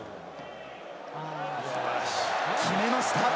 決めました！